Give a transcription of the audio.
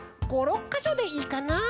５６かしょでいいかなあ。